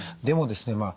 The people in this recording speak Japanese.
でもですね